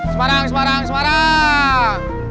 semarang semarang semarang